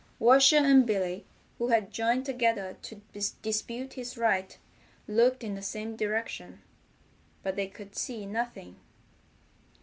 Washer and Billy, who had joined together to dispute his right, looked in the same direction, but they could see nothing.